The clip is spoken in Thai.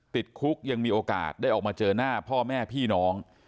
ติดคุกยังมีโอกาสได้ออกมาเจอหน้าพ่อแม่พี่น้อง